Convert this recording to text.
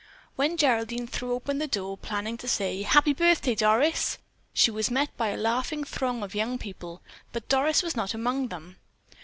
When Geraldine threw open the door, planning to say "Happy Birthday, Doris!" she was met by a laughing throng of young people, but Doris was not among them.